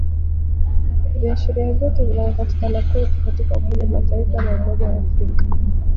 Viashiria vyote vinavyopatikana kwetu katika umoja wa Mataifa na umoja wa africa